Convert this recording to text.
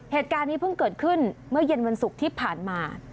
เหตุการณ์นี้เพิ่งเกิดขึ้นเมื่อเย็นวันศุกร์ที่ผ่านมา